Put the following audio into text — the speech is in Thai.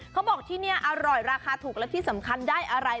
เขาบอกที่นี่อร่อยราคาถูกและที่สำคัญได้อะไร